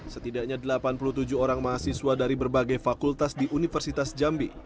setidaknya delapan puluh tujuh orang mahasiswa dari berbagai fakultas di universitas jambi